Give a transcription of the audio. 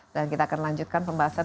dan kita akan lanjutkan pembahasan